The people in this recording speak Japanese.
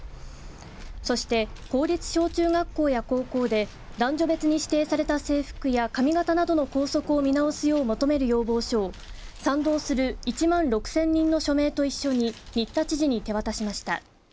そして公立小中学校や高校で男女別に指定された制服や髪型などの校則を見直すよう求める要望書を賛同する１万６０００人の署名と一緒に新田知事に手渡しました。